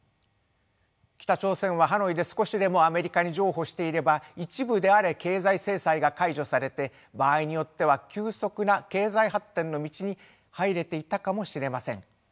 北朝鮮はハノイで少しでもアメリカに譲歩していれば一部であれ経済制裁が解除されて場合によっては急速な経済発展の道に入れていたかもしれません。